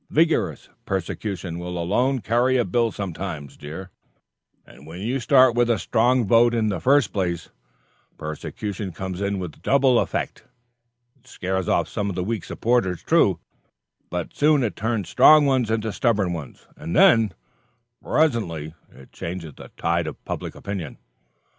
Vigorous persecution will alone carry a bill sometimes, dear; and when you start with a strong vote in the first place, persecution comes in with double effect. It scares off some of the weak supporters, true, but it soon turns strong ones into stubborn ones. And then, presently, it changes the tide of public opinion.